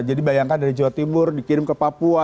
bayangkan dari jawa timur dikirim ke papua